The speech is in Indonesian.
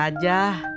kapan saja dimana saja